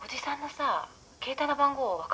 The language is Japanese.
携帯の番号分かるよね。